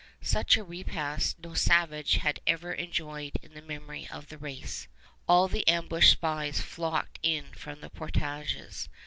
Such a repast no savage had ever enjoyed in the memory of the race. All the ambushed spies flocked in from the portages.